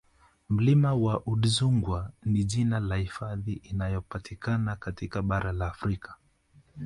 Milima ya Udzungwa ni jina la hifadhi inayopatikana katika bara la Afrika